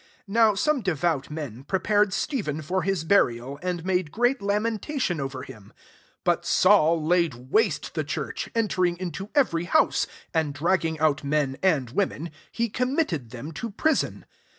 2 Now 9ome devout men prepared Steph en ybrAj«^ttrf a/, and made great lamentation over him* 3 But Saul Isdd waste the church, entering into every house; and, dragging otir men and womeDi he committed them to prison.